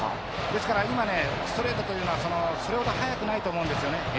ですから今ねストレートというのはそれほど速くないと思うんですよね。